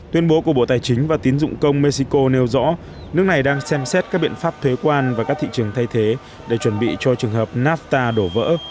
tuyên bố của bộ tài chính và tiến dụng công mexico nêu rõ nước này đang xem xét các biện pháp thuế quan và các thị trường thay thế để chuẩn bị cho trường hợp nafta đổ vỡ